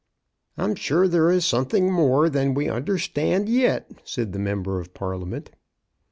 "I'm sure there is something more than we understand yet," said the member of Parliament.